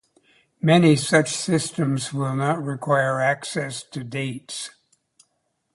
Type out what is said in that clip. Many such systems will not require access to dates.